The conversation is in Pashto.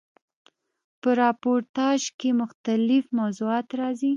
په راپورتاژ کښي مختلیف موضوعات راځي.